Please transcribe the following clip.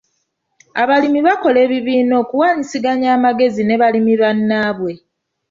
Abalimi bakola ebibiina okuwaanyisiganya amagezi ne balimi bannaabwe.